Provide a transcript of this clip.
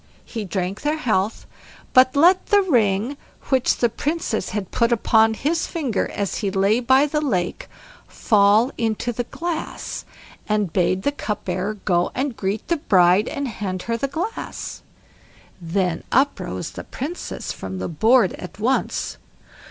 He drank their health, but let the ring which the Princess had put upon his finger as he lay by the lake fall into the glass, and bade the cupbearer go and greet the bride and hand her the glass. Then up rose the Princess from the board at once.